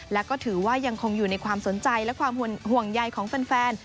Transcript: และก็ถือว่ายังคงอยู่ในความสนใจและความห่วงใยของแฟน